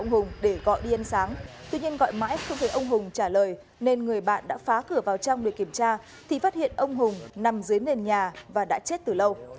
ông hùng đã gọi đi ăn sáng tuy nhiên gọi mãi không thấy ông hùng trả lời nên người bạn đã phá cửa vào trong để kiểm tra thì phát hiện ông hùng nằm dưới nền nhà và đã chết từ lâu